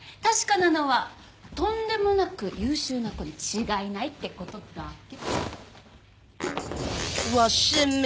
確かなのはとんでもなく優秀な子に違いないってことだけ。